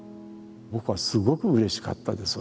僕はすごくうれしかったです